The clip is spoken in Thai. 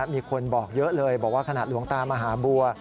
มีคนบอกเยอะเลยบอกว่าขณะหลวงตามหาบัว